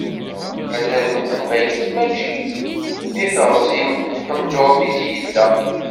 Azal n teqbaylit mačči deg teɣzi n tqendurt-is i yella.